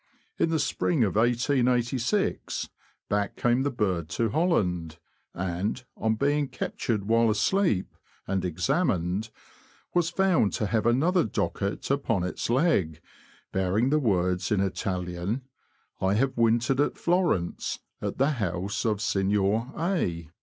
In the spring of 1886, back came the bird to Holland, and, on being captured while asleep, and examined, was found to have another docket upon its leg, bearing the words, in Italian :" I have wintered at Florence, at the house of Signor A